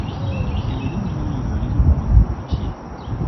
Erinnya eryo lirimu makulu ki?